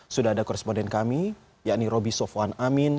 sudah ada koresponden kami yakni roby sofwan amin